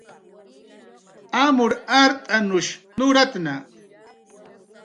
Amur art'anush nuratna